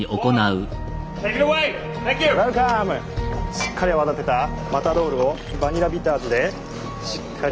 しっかり泡立てたマタドールをバニラビターズでしっかり。